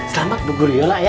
selamat bu guriola ya